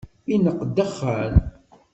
Ineqq dexxan.